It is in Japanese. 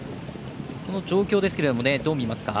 この状況ですけれどどう見ますか？